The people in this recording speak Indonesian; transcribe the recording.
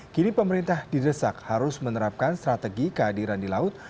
kini pemerintah didesak harus menerapkan strategi kehadiran di laut